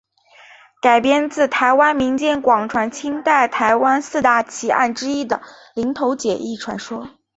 改编自台湾民间广传清代台湾四大奇案之一的林投姐一传说。